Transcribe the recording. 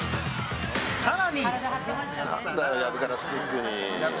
更に。